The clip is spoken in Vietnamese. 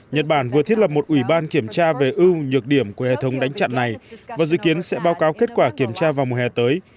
nhật bản vừa thiết lập một ủy ban kiểm tra về ưu nhược điểm của hệ thống đánh chặn này và dự kiến sẽ báo cáo kết quả kiểm tra vào mùa hè tới